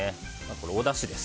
おだしです。